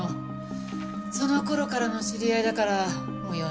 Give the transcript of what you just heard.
その頃からの知り合いだからもう４０年以上かな。